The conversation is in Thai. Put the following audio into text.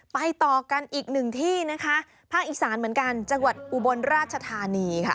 ไปต่อกันอีก๑ที่นะคะภาคอีกษานเหมือนกันจังหวัดอุบลราชธานี